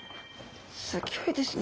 すギョいですね。